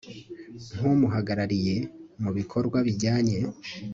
nk umuhagarariye mu bikorwa bijyanye